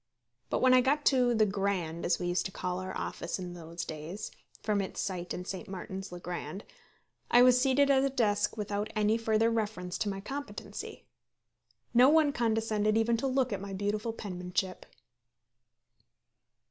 But when I got to "The Grand," as we used to call our office in those days, from its site in St. Martin's le Grand, I was seated at a desk without any further reference to my competency. No one condescended even to look at my beautiful penmanship.